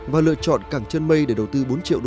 và lựa chọn cảng trân mây để đầu tư bốn triệu đô la